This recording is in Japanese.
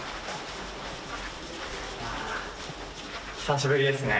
久しぶりですね。